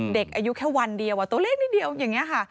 เด็กอายุแค่วันเดียวตัวเล็กนิดเดียวอย่างนี้ค่ะ